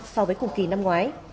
so với cùng kỳ năm ngoái